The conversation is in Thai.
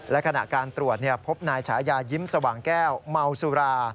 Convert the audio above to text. และขณะการตรวจพบนายฉายายิ้มสว่างแก้วเมาสุรา